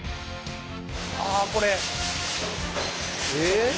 ああこれ。